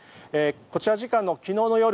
こちら時間の昨日の夜